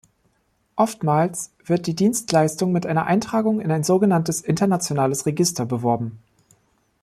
Oftmals wird die Dienstleistung mit einer Eintragung in ein sogenanntes internationales Register beworben.